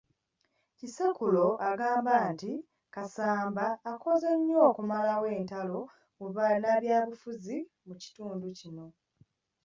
Kisekulo agamba nti Kasamba akoze nnyo okumalawo entalo mu bannabyabufuzi mu kitundu kino.